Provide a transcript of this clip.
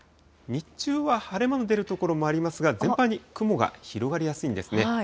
日中は晴れ間の出る所もありますが、全般に雲が広がりやすいんですね。